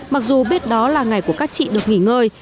mặc dù biết đó là ngày của các chị được nghỉ ngơi